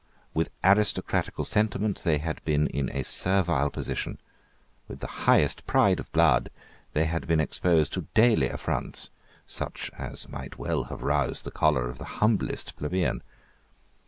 With aristocratical sentiments they had been in a servile position. With the highest pride of blood, they had been exposed to daily affronts, such as might well have roused the choler of the humblest plebeian.